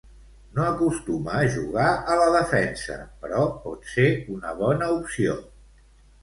No acostuma a jugar a la defensa, però pot ser una bona opció.